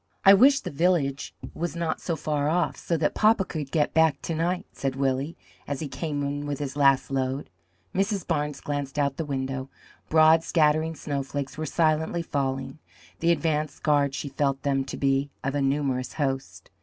"I wish the village was not so far off, so that papa could get back to night," said Willie, as he came in with his last load. Mrs. Barnes glanced out of the window. Broad scattering snowflakes were silently falling; the advance guard, she felt them to be, of a numerous host.